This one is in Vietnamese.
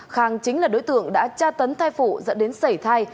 khang chính là đối tượng đã tra tấn thai phụ dẫn đến sảy thai